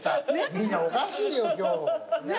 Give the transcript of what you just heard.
みんなおかしいよ今日。ね？